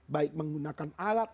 baik menggunakan alat